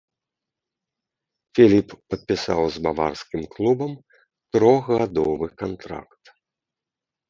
Філіп падпісаў з баварскім клубам трохгадовы кантракт.